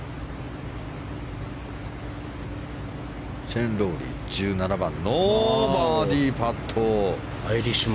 シェーン・ロウリー、１７番のバーディーパットでした。